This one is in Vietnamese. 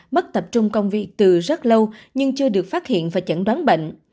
mất tập trung công việc từ rất lâu nhưng chưa được phát hiện và chẩn đoán bệnh